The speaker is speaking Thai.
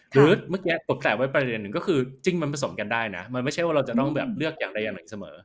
หรือเมื่อกี้ผมแปลกไว้ประเด็นหนึ่งก็คือจิ้งมันผสมกันได้นะมันไม่ใช่ว่าเราจะต้องแบบเลือกอย่างใดอย่างหนึ่งเสมอ